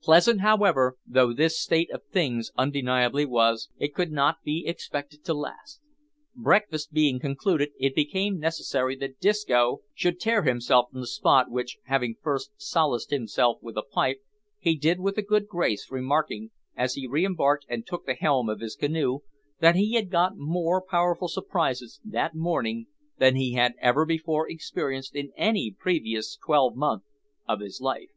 Pleasant however, though this state of things undeniably was, it could not be expected to last. Breakfast being concluded, it became necessary that Disco should tear himself from the spot which, having first solaced himself with a pipe, he did with a good grace, remarking, as he re embarked and "took the helm" of his canoe, that he had got more powerful surprises that morning than he had ever before experienced in any previous twelvemonth of his life.